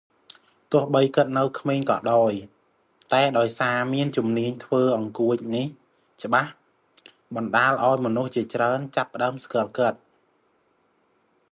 ទោះបីគាត់នៅក្មេងក៏ដោយ តែដោយសារមានជំនាញធ្វើអង្កួចនេះច្បាស់ បណ្តាលឱ្យមនុស្សជាច្រើនចាប់ផ្តើមស្គាល់គាត់។